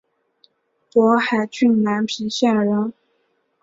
勃海郡南皮县人。